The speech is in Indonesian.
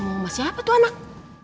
mau emas siapa tuh anak